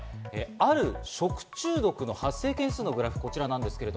ある食中毒の発生件数のグラフです。